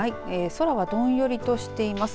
空はどんよりとしています。